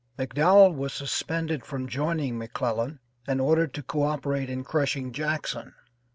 McDowell was suspended from joining McClellan and ordered to co operate in crushing Jackson.